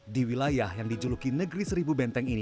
di wilayah yang dijuluki negeri seribu benteng ini